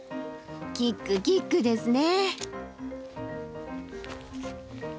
キックキックですね。